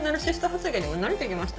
発言にも慣れて来ました。